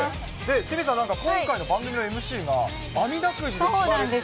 鷲見さん、なんか今回の番組のＭＣが、あみだくじで決めるって。